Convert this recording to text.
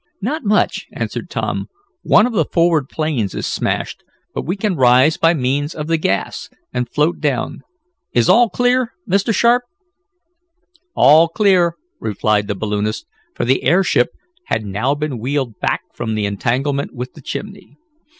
"Not much," answered Tom. "One of the forward planes is smashed, but we can rise by means of the gas, and float down. Is all clear, Mr. Sharp?" "All clear," replied the balloonist, for the airship had now been wheeled back from the entanglement with the chimney.